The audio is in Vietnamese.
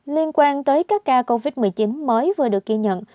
liên quan tới các ca covid một mươi chín mới vừa được ghi nhận